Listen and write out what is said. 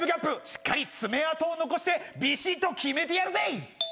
しっかり爪痕を残してビシッと決めてやるぜい！